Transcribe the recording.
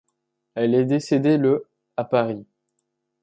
Elle est décédée le à Paris.